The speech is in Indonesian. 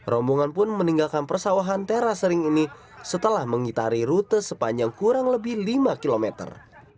rombongan pun meninggalkan persawahan teras sering ini setelah mengitari rute sepanjang kurang lebih lima kilometer